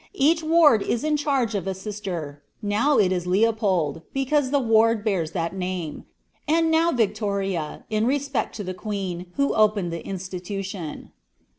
Each ward is in charge of a sister; now it is Leopold, because the ward bears that name; and now Victoria in respect to the Queen, who opened the institution.